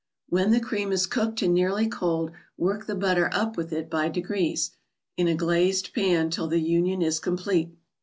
When the cream is cooked and nearly cold, work the butter up with it by degrees, in a glazed pan, till the union is complete.